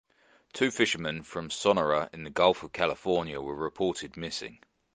Two fishermen from Sonora in the Gulf of California were reported missing.